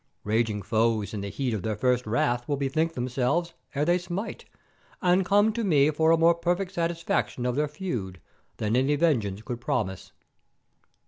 Raging foes in the heat of their first wrath will bethink themselves ere they smite, and come to me for a more perfect satisfaction of their feud than any vengeance could promise."